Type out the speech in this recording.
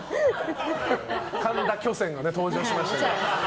神田巨泉が登場しましたけど。